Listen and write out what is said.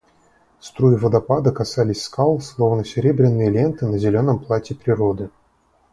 Струи водопада касались скал, словно серебряные ленты на зеленом платье природы.